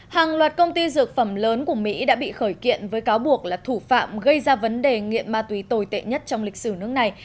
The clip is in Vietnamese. hàng loạt công ty dược phẩm lớn của mỹ đã bị khởi kiện với cáo buộc là thủ phạm gây ra vấn đề nghiện ma túy tồi tệ nhất trong lịch sử nước này